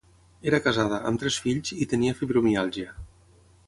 Era casada, amb tres fills, i tenia fibromiàlgia.